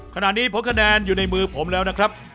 ขณะนี้ผลคะแนนอยู่ในมือผมแล้วนะครับ